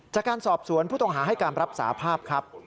จากการสอบสวนผู้ต้องหาให้การรับสาภาพครับ